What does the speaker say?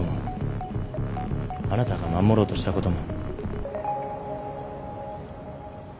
あなたが守ろうとしたことも。